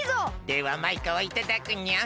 ではマイカはいただくにゃん！